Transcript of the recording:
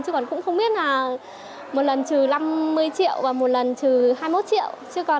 chứ còn cũng không biết là một lần trừ năm mươi triệu và một lần trừ hai mươi một triệu chứ còn